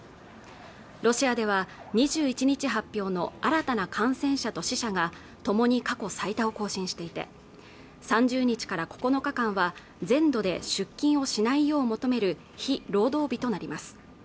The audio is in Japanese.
ロシアでは２１日発表の新たな感染者と死者が共に過去最多を更新していて３０日から９日間は全土で出勤をしないよう求める非労働日となります